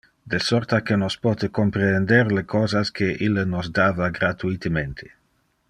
De sorta que nos pote comprehender le cosas que Ille nos dava gratuitemente.